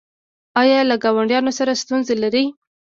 ایا له ګاونډیانو سره ستونزې لرئ؟